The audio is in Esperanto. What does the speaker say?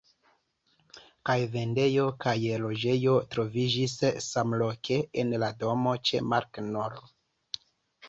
Kaj vendejo kaj loĝejo troviĝis samloke en la domo ĉe Markt nr.